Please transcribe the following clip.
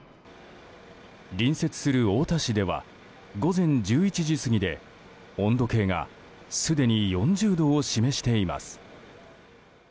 隣接する太田市では午前１１時過ぎで温度計がすでに４０度を示しています。